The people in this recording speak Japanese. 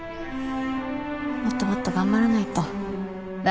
もっともっと頑張らないと。